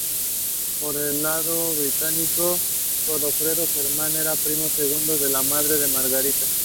Por el lado británico, Godofredo Germán era primo segundo de la madre de Margarita.